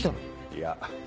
いや。